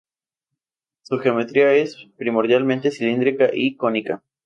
Su geometría es primordialmente cilíndrica y cónica.